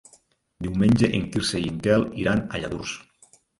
Diumenge en Quirze i en Quel iran a Lladurs.